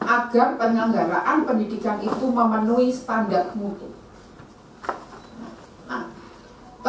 agar penyelenggaraan pendidikan itu memenuhi standar mungkin